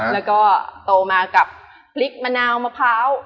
แล้วก็โตมากับพริกมะนาวมะพร้าว